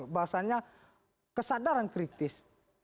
bahasanya kesadaran kritis